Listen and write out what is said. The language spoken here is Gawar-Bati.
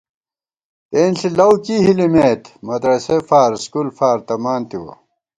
تېنݪی لَؤکی ہِلِمېت، مدرسَئےفار سکول فار تمان تِوَہ